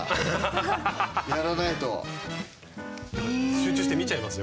集中して見ちゃいますね